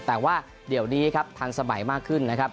แต่ว่าเดี๋ยวนี้ครับทันสมัยมากขึ้นนะครับ